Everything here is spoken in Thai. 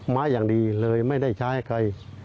มาอย่างดีเลยไม่ได้ใช้ให้ใคร